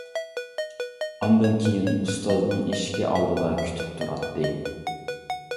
ئاندىن كىيىن ئۇستازىنىڭ ئىشىكى ئالدىدا كۈتۈپ تۇراتتى.